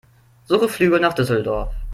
Suche Flüge nach Düsseldorf.